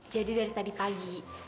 jadi dari tadi pagi